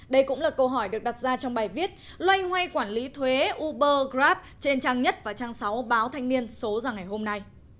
đây cũng là câu hỏi được đặt ra trong bài viết loay hoay quản lý thuế uber grab trên trang nhất và trang sáu báo thanh niên số ra ngày hôm nay